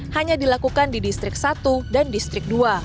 hanya dilakukan di distrik satu dan distrik dua